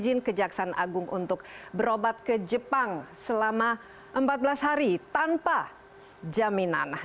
izin kejaksaan agung untuk berobat ke jepang selama empat belas hari tanpa jaminan